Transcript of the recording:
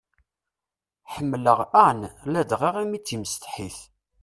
Ḥemmleɣ Anne ladɣa imi d timsetḥit.